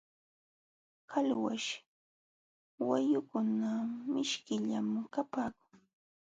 Qalwaśh wayukuna mishkillam kapaakun.